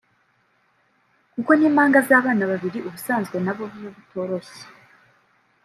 kuko n’impanga z’abana babiri ubusanzwe na bo biba bitoroshye